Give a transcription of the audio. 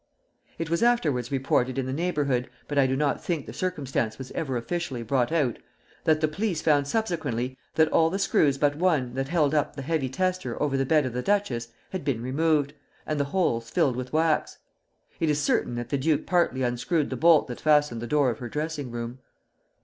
It was afterwards reported in the neighborhood, but I do not think the circumstance was ever officially brought out, that the police found subsequently that all the screws but one that held up the heavy tester over the bed of the duchess, had been removed, and the holes filled with wax; it is certain that the duke partly unscrewed the bolt that fastened the door of her dressing room.